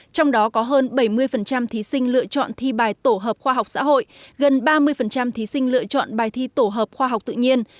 trong đó có hơn bảy mươi thí sinh lựa chọn thi bài tổ hợp khoa học xã hội gần ba mươi thí sinh lựa chọn bài thi tổ hợp khoa học tự nhiên